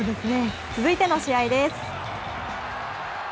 続いての試合です。